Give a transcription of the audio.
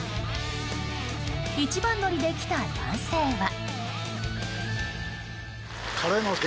一番乗りで来た男性は。